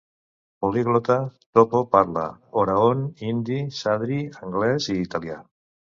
Poliglota, Toppo parla oraon, hindi, sadri, anglès i italià.